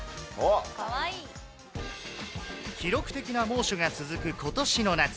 記録的な猛暑が続くことしの夏。